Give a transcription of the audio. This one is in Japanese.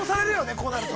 こうなると。